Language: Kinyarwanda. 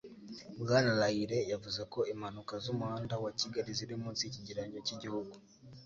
Bwana Riley yavuze ko impanuka z'umuhanda wa kigali ziri munsi y'ikigereranyo cy'igihugu